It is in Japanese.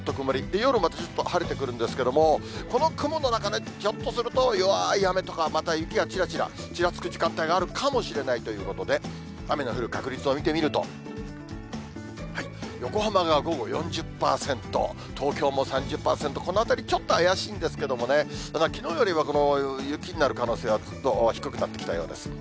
夜またちょっと晴れてくるんですけれども、この雲の流れ、ひょっとすると、弱い雨とかまた雪がちらちら、ちらつく時間帯があるかもしれないということで、雨の降る確率を見てみると、横浜が午後４０％、東京も３０％、このあたり、ちょっと怪しいんですけどね、きのうよりは雪になる可能性はぐっと低くなってきたようです。